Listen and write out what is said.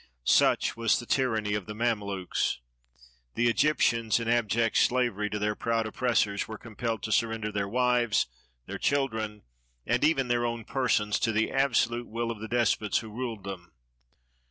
Such was the tyr aimy of the Mamelukes. The Egyptians, in abject slavery to their proud oppressors, were compelled to surrender their wives, their children, and even their own persons, to the absolute will of the despots who ruled them.